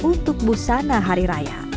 untuk busana hari raya